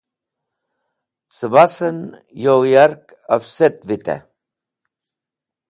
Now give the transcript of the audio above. Cẽbasẽn yo yark afset vitẽ.